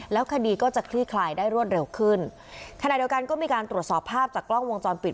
แล้วคดีก็จะคลี่คลายได้รวดเร็วขึ้นขณะเดียวกันก็มีการตรวจสอบภาพจากกล้องวงจรปิด